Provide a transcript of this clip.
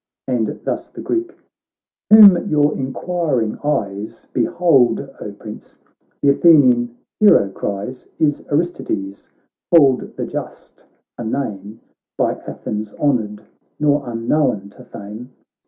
And thus the Greek: 'Whomyourinquir ing eyes Behold, O Prince,' th' Athenian hero cries, ' Is Aristides, called the just, a name By Athens honoured, nor unknown to fame.'